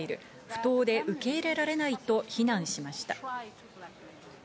不当で受け入れられないと非難しました。